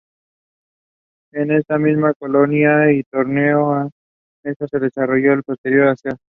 En esa misma colina y en torno a ella se desarrolló la posterior Asea.